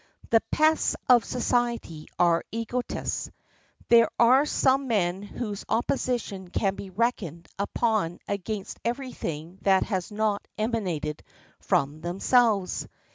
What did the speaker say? The pests of society are egotists. There are some men whose opposition can be reckoned upon against every thing that has not emanated from themselves.